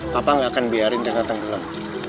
papa gak akan biarin dia dateng gelap